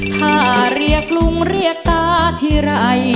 ถ้าเรียกลุงเรียกตาทีไร